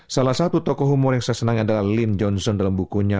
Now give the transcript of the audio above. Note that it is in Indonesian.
salah satu tokoh humor yang saya senang adalah lin johnson dalam bukunya